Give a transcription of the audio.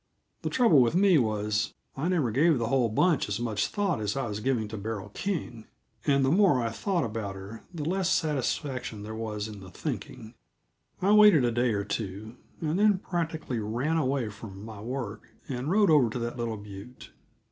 The trouble with me was, I never gave the whole bunch as much thought as I was giving to Beryl King and the more I thought about her, the less satisfaction there was in the thinking. I waited a day or two, and then practically ran away from my work and rode over to that little butte.